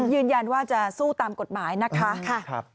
ยืนยันว่าจะสู้ตามกฎหมายนะคะ